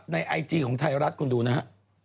ไอจีของไทยรัฐคุณดูนะฮะ